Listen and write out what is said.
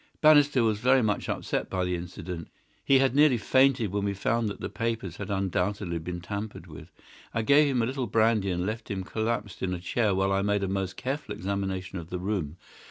"Bannister was very much upset by the incident. He had nearly fainted when we found that the papers had undoubtedly been tampered with. I gave him a little brandy and left him collapsed in a chair while I made a most careful examination of the room.